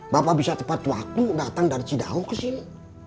bapak bisa tepat waktu datang dari cidaho kesini